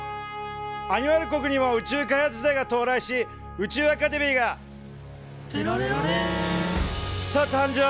アニマル国にも宇宙開発時代が到来し宇宙アカデミーが「てられられん！」と誕生。